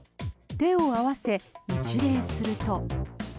手を合わせ、一礼すると。